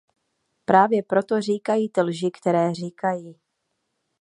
Právě proto říkají ty lži, které říkají.